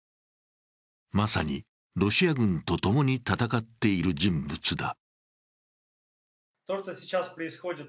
まさにロシア軍と共に戦っている人物だ。